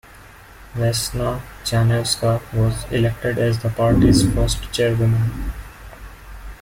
Vesna Janevska was elected as the party's first chairwoman.